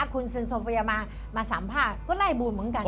คุณเซ็นโซเฟียมาสัมภาษณ์ก็ได้บุญเหมือนกันนะ